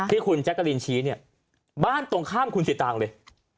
ที่คุณแจ๊กกะลินชี้เนี่ยบ้านตรงข้ามคุณสิตางเลย